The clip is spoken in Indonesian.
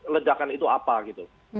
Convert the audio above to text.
ledakan itu apa gitu